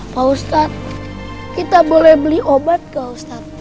pak ustadz kita boleh beli obat ke ustadz